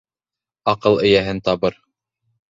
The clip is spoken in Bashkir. Аҡыл эйәһен табыр.